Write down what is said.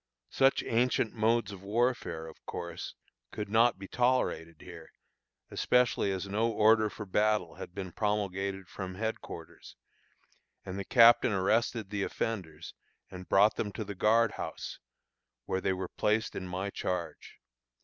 Such ancient modes of warfare, of course, could not be tolerated here, especially as no order for battle had been promulgated from headquarters, and the captain arrested the offenders and brought them to the guard house, where they were placed in my charge.